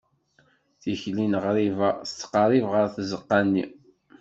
Tikli n ɣriba tettqerrib ɣer tzeqqa-nni.